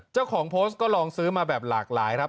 เจ้าของโพสต์ก็ลองซื้อมาแบบหลากหลายครับ